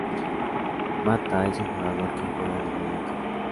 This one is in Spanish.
Matta es un jugador que juega en el medio campo.